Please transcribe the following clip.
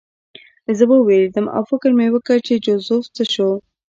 زه ووېرېدم او فکر مې وکړ چې جوزف څه شو